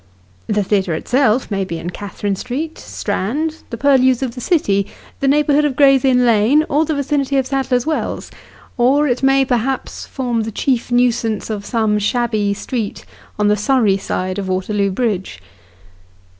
The theatre itself may bo in Catherine Street, Strand, the purlieus of the city, the neighbour hood of Gray's Inn Lane, or the vicinity of Sadler's Wells ; or it may, perhaps, form the chief nuisance of some shabby street, on the Surrey side of Waterloo Bridge.